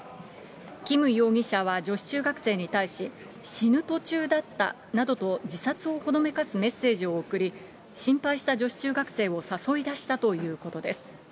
キム容疑者は女子中学生に対し、死ぬ途中だったなどと自殺をほのめかすメッセージを送り、心配した女子中学生を誘い出したということです。